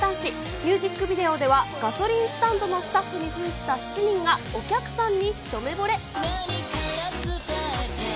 ミュージックビデオでは、ガソリンスタンドのスタッフにふんした７人がお客さんに一目ぼれ。